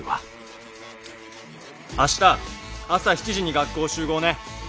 明日朝７時に学校集合ね。